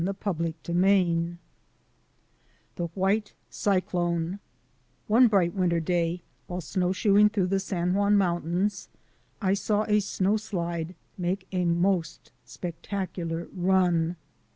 CHAPTER VIII THE WHITE CYCLONE ONE bright winter day while snowshoeing through the San Juan Mountains I saw a snowslide make a most spectacular "run."